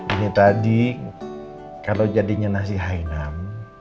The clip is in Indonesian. ini tadi kalau jadinya nasi hainan